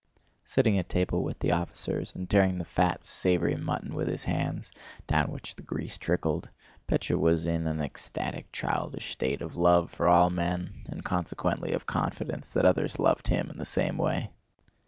Sitting at table with the officers and tearing the fat savory mutton with his hands, down which the grease trickled, Pétya was in an ecstatic childish state of love for all men, and consequently of confidence that others loved him in the same way.